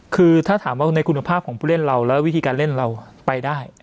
คือถ้าถามว่าในคุณภาพของผู้เล่นเราแล้ววิธีการเล่นเราไปได้